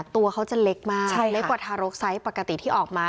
ตัวเขาจะเล็กมากเล็กกว่าทารกไซส์ปกติที่ออกมา